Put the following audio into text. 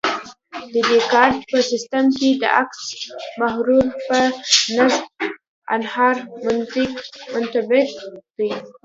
د دیکارت په سیستم کې د اکس محور په نصف النهار منطبق دی